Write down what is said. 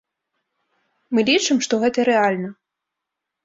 Мы лічым, што гэта рэальна.